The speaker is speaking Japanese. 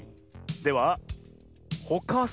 では「ほかす」